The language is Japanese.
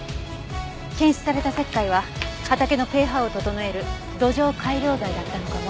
検出された石灰は畑のペーハーを整える土壌改良剤だったのかも。